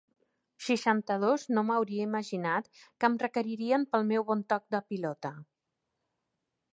Seixanta-dos no m'hauria imaginat que em requeririen pel meu bon toc de pilota.